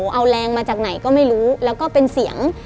เอาแรงมาจากไหนก็ไม่รู้แล้วก็เป็นเสียง